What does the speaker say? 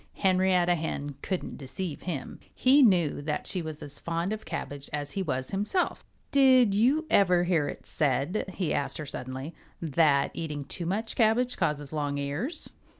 Henrietta Hen couldn't deceive him. He knew that she was as fond of cabbage as he was himself. "Did you ever hear it said," he asked her suddenly, "that eating too much cabbage causes long ears?"